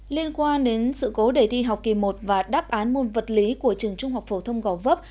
liên quan đến sự cố đề thi học kỳ một và đáp án môn vật lý của trường trung học phổ thông gò vấp